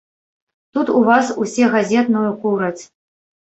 Тут у вас усе газетную кураць.